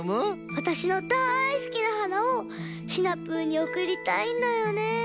わたしのだいすきなはなをシナプーにおくりたいんだよね。